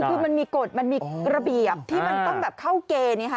คือมันมีกฎมันมีระเบียบที่มันต้องแบบเข้าเกณฑ์